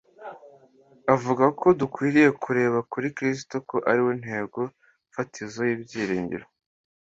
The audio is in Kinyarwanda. Avuga ko dukwiriye kureba kuri Kristo ko ariwe ntego-fatizo y'ibyiringiro.